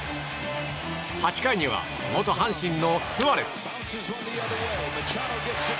８回には元阪神のスアレス。